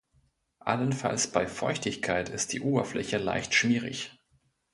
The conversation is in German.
Allenfalls bei Feuchtigkeit ist die Oberfläche leicht schmierig.